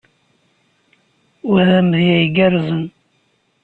Wa d amedya igerrzen.